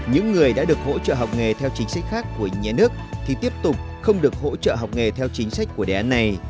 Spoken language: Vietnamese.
những người đã được hỗ trợ học nghề theo chính sách khác của nhà nước thì tiếp tục không được hỗ trợ học nghề theo chính sách của đề án này